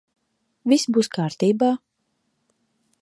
Viss būs kārtībā.